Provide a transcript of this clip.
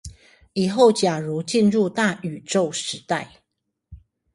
以後假如進入大宇宙時代